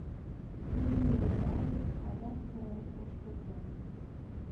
Тудым нӧлталыт, адак кырен ошкылтат.